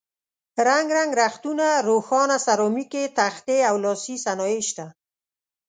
رنګ رنګ رختونه، روښانه سرامیکي تختې او لاسي صنایع شته.